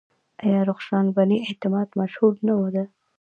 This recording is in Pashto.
آیا رخشان بني اعتماد مشهوره نه ده؟